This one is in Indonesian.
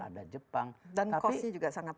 ada jepang dan kosnya juga sangat